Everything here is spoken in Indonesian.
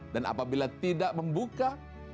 dan apabila tidak membuka